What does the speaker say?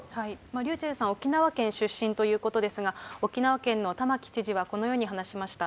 ｒｙｕｃｈｅｌｌさんは沖縄県出身ということですが、沖縄県の玉城知事はこのように話しました。